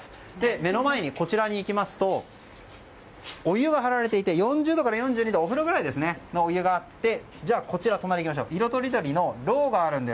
目の前に、こちらに行きますとお湯が張られていて４０度から４２度のお風呂ぐらいのお湯があって隣には色とりどりのろうがあるんです。